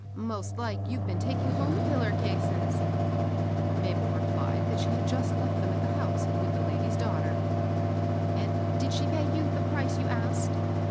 "Most like you've been taking home the piller cases ?" Mabel replied that she had just left them at the house, with the lady's daughter. " And did she pay you the price you asked